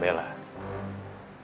mereka gak akan biarin kamu tenangin kamu